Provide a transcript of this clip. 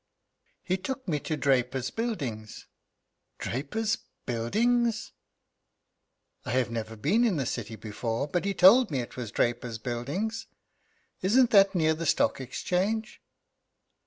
"He took me to Draper's Buildings." "Draper's Buildings?" "I have never been in the City before, but he told me it was Draper's Buildings. Isn't that near the Stock Exchange?"